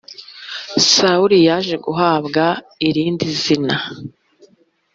sawuli yaje guhabwa irindizina .